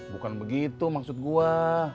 bukan begitu maksud gue